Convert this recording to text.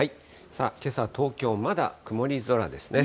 さあ、けさ東京、まだ曇り空ですね。